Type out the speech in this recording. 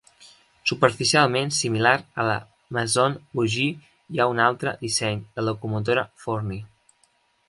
Superficialment similar a la Mason Bogie hi ha un altre disseny, la locomotora Forney.